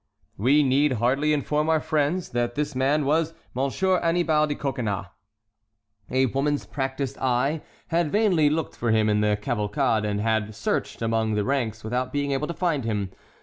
We need hardly inform our friends that this man was M. Annibal de Coconnas. A woman's practised eye had vainly looked for him in the cavalcade and had searched among the ranks without being able to find him.